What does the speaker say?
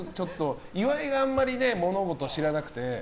岩井があまり物事を知らなくて。